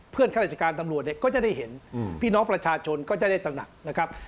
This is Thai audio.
ข้าราชการตำรวจเนี่ยก็จะได้เห็นพี่น้องประชาชนก็จะได้ตระหนักนะครับ